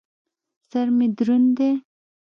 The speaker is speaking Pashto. سر مې دروند دى.